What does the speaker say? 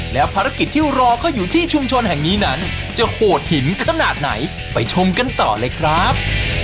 และภารกิจที่รอเขาอยู่ที่ชุมชนแห่งนี้นั้นจะโหดหินขนาดไหนไปชมกันต่อเลยครับ